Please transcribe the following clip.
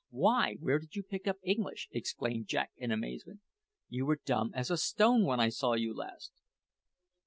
"Why, where did you pick up English?" exclaimed Jack in amazement. "You were dumb as a stone when I saw you last."